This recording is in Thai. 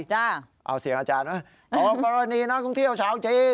ได้เอาเสียงอาจารย์ไหมขอบรรณีนักท่องเที่ยวเฉาจีน